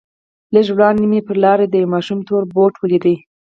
لږ وړاندې مې پر لاره د يوه ماشوم تور بوټ ولېد.